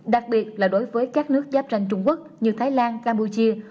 đặc biệt là đối với các nước giáp tranh trung quốc như thái lan campuchia